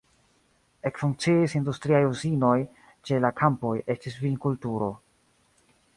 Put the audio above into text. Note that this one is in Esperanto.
Ekfunkciis industriaj uzinoj, ĉe la kampoj estis vinkulturo.